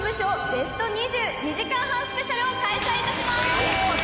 ベスト２０２時間半スペシャルを開催致します！